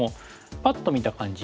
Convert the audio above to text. パッと見た感じ